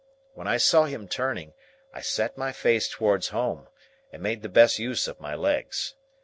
When I saw him turning, I set my face towards home, and made the best use of my legs.